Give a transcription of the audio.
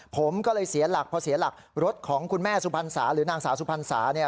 ผมก็เลยเสียหลักพอเสียหลักรถของคุณแม่สุพรรษาหรือนางสาวสุพรรษาเนี่ย